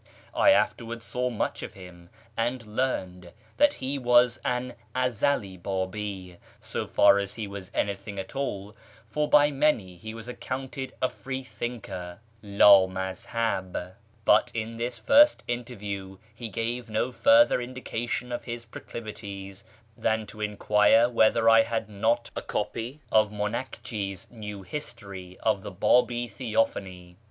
I afterwards saw much of him, and learned that he was an Ezeli Babi, so far as he was auytliing at all (for by many he was accounted a free thinker, " lA maz hah "); but in this first interview he gave no further indica tion of his proclivities than to enquire whether I had not a copy of M;inakji's New History of the Babi Theophany.